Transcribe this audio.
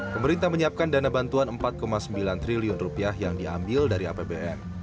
pemerintah menyiapkan dana bantuan rp empat sembilan triliun yang diambil dari apbn